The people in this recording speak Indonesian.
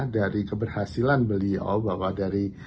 dari keberhasilan beliau bahwa dari